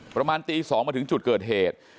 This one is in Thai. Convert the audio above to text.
ประมาณตี๒มาถึงจุดเกิดเหตุ